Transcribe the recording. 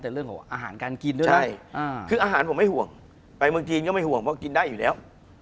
คุณผู้ชมบางท่าอาจจะไม่เข้าใจที่พิเตียร์สาร